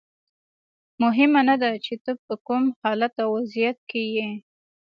مهمه نه ده چې ته په کوم حالت او وضعیت کې یې.